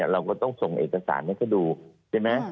เราก็ต้องส่งเอกสารให้เขาดูใช่ไหม